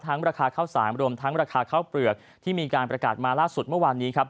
ราคาข้าวสารรวมทั้งราคาข้าวเปลือกที่มีการประกาศมาล่าสุดเมื่อวานนี้ครับ